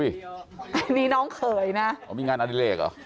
อันนี้น้องเขยนะอ๋อมีงานอดิเลกเหรอ